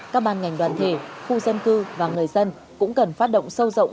các ban ngành đoàn thể khu dân cư và người dân cũng cần phát động sâu rộng